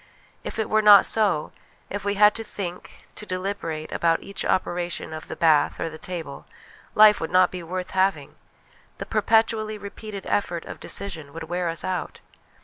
If it were not so if we had to think, to deliberate, about each operation of the bath or the table life would not be worth having; the perpetually repeated effort of decision would wear us out.